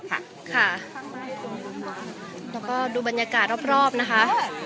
แล้วก็ดูบรรยากาศรอบนะคะ